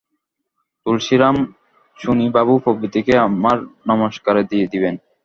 তুলসীরাম, চুনীবাবু প্রভৃতিকে আমার নমস্কারাদি দিবেন।